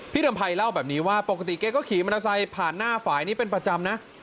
รำภัยเล่าแบบนี้ว่าปกติแกก็ขี่มอเตอร์ไซค์ผ่านหน้าฝ่ายนี้เป็นประจำนะ